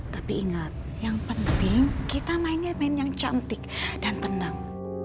tapi ingat yang penting kita mainnya main yang cantik dan tenang